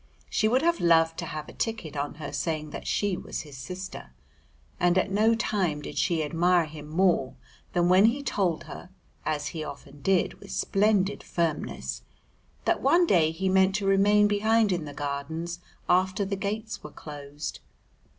She would have loved to have a ticket on her saying that she was his sister. And at no time did she admire him more than when he told her, as he often did with splendid firmness, that one day he meant to remain behind in the Gardens after the gates were closed.